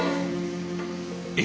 え？